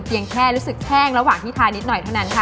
แค่รู้สึกแห้งระหว่างที่ทานิดหน่อยเท่านั้นค่ะ